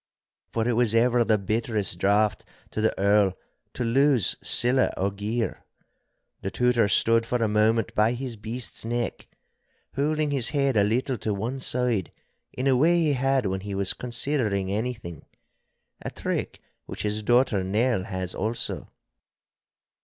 For it was ever the bitterest draught to the Earl to lose siller or gear. The Tutor stood for a moment by his beast's neck, holding his head a little to one side in a way he had when he was considering anything—a trick which his daughter Nell has also.